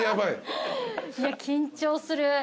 いや緊張する。